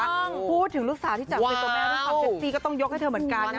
พูดถึงลูกสาวที่จับข่วยตัวแม่ลูกสาวเซ็กซีก็ต้องยกให้เธอเหมือนกันนะ